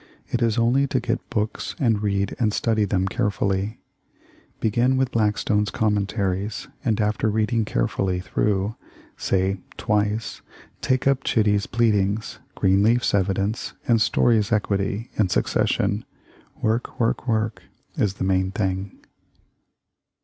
It is only to get books and read and study them carefully. Begin with Blackstone's Commentaries, and after reading carefully through, say twice, take up Chitty's Pleadings, Greenleaf's Evidence, and Story's Equity in succession. Work, work, work, is the main thing."